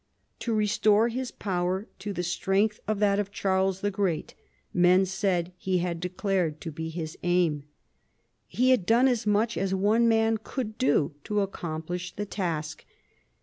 To restore his power to the strength of that of Charles the Great, men said he had declared to be his aim. He had done as much as one man could do to accomplish the task.